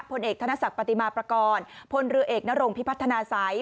พลเอกธนศักดิ์ปฏิมาประกอบพลเรือเอกนรงพิพัฒนาสัย